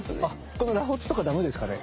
この螺髪とかダメですかね？